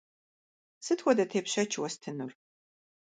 Сыт хуэдэ тепщэч уэстынур?